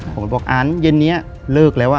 ผมก็บอกอันเย็นนี้เลิกแล้ว